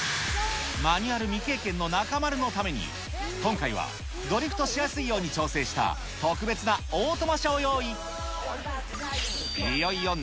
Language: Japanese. マニュアル未経験の中丸のために、今回はドリフトしやすいように調整した特別なオートマ車を用意。